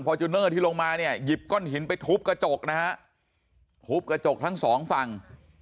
จูเนอร์ที่ลงมาเนี่ยหยิบก้อนหินไปทุบกระจกนะฮะทุบกระจกทั้งสองฝั่ง